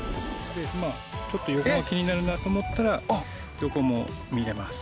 ちょっと横が気になるなと思ったら横も見れます。